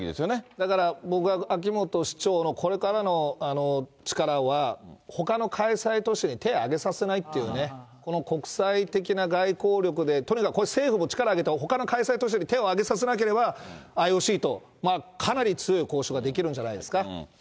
だから、僕は秋元市長のこれからの力は、ほかの開催都市に手を挙げさせないっていうね、この国際的な外交力で、とにかくこれは政府も力を入れてほかの開催都市に手を挙げさせなければＩＯＣとかなり強い交渉ができるんじゃないですか。